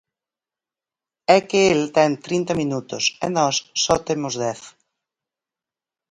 É que el ten trinta minutos e nós só temos dez.